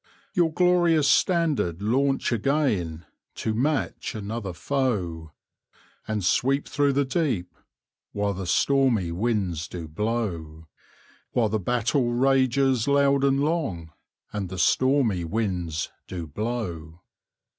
Your glorious standard launch again To match another foe: And sweep through the deep, While the stormy winds do blow; While the battle rages loud and long, And the stormy winds do blow.